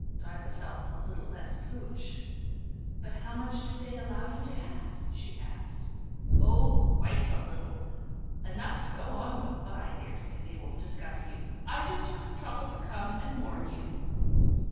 Diva felt a little less poohish. "But how much do they allow you to have?" she asked. "Oh, quite a little: enough to go on with. But I daresay they won't discover you. I just took the trouble to come and warn you."